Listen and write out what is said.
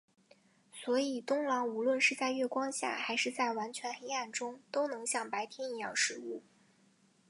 所以冬狼无论是在月光下还是在完全黑暗中都能像白天一样视物。